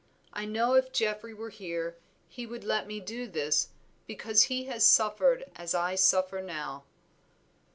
I know if Geoffrey were here, he would let me do this, because he has suffered as I suffer now."